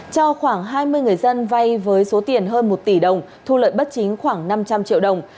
cho khoảng hai mươi người dân vay với số tiền hơn một tỷ đồng thu lợi bất chính khoảng năm trăm linh triệu đồng